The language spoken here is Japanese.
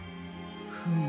フム。